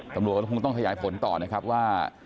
ตำรวจก็คงต้องขยายผลต่อนะครับว่า